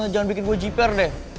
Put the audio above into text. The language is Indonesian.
jangan bikin gue jiper deh